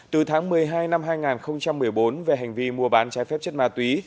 từ tháng một mươi hai năm hai nghìn một mươi bốn về hành vi mua bán trái phép chất ma túy